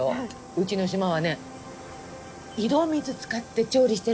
うちの島はね井戸水使って調理してるからね。